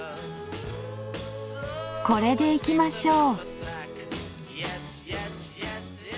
これでいきましょう。